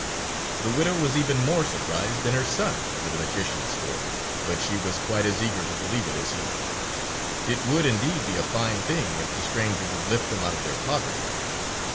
The widow was even more surprised than her son over the magician's story, but she was quite as eager to believe it as he. It would indeed be a fine thing if the stranger would lift them out of their poverty.